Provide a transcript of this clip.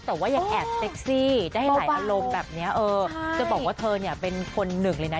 แต่ว่ายังแอบเซ็กซี่ได้ให้ถ่ายอารมณ์แบบเนี้ยเออจะบอกว่าเธอเนี่ยเป็นคนหนึ่งเลยนะ